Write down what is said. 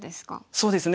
そうですね。